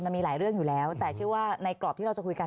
มันมีหลายเรื่องอยู่แล้วแต่เชื่อว่าในกรอบที่เราจะคุยกัน